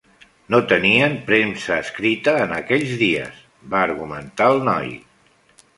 "No tenien premsa escrita en aquells dies", va argumentar el noi.